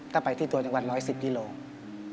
ถ้าไปที่ตัวจังหวัด๑๑๐กิโลกรัม